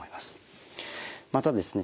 またですね